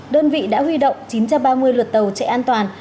đơn vị đã huy động chín trăm ba mươi lượt tàu chạy an toàn